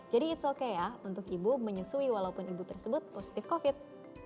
jadi it's okay ya untuk ibu menyusui walaupun ibu tersebut positif covid